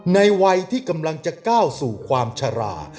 ในวัยที่กำลังจะก้าวสู่ความชะลา